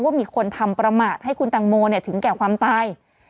ว่ามีคนทำประมาทให้คุณตังโมถึงแก่ความตาย